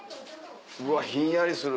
うわひんやりする